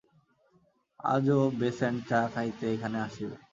আজও বেস্যাণ্ট চা খাইতে এখানে আসিবে।